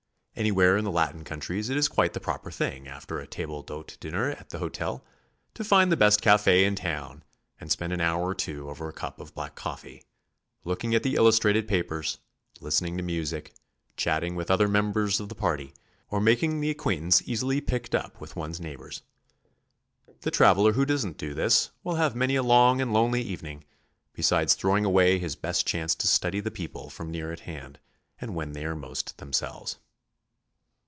Anywhere in the Latin countries it is quite the proper thing after a table d'hote dinner at the hotel, to find the best cafe in town and spend an hour or two over a cup of black coffee, looking at the illustrated papers, listening to music, chatting with other members of the party, or making the acquaint ance easily picked up with one's neighbors. The traveler who doesn't do this will have many a long and lonely even ing, besides throwing away his best chance to study the people from near at hand and when they are most them selves.